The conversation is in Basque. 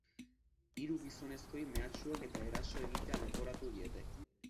Hiru gizonezkoei mehatxuak eta eraso egitea leporatu diete.